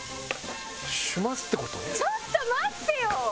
ちょっと待ってよ！